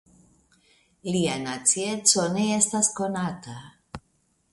Lia nacieco ne estas konata.